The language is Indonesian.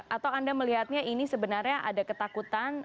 atau anda melihatnya ini sebenarnya ada ketakutan